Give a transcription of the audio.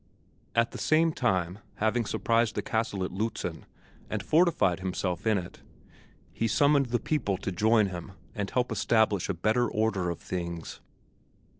At the same time, having surprised the castle at Lützen and fortified himself in it, he summoned the people to join him and help establish a better order of things.